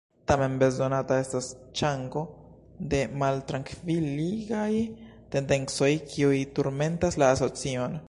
Tamen bezonata estas ŝango de maltrankviligaj tendencoj kiuj turmentas la asocion.